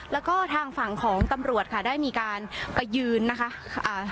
แล้วก็ทางฝั่งของตำรวจค่ะได้มีการไปยืนนะคะอ่า